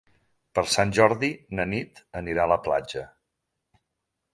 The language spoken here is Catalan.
Per Sant Jordi na Nit anirà a la platja.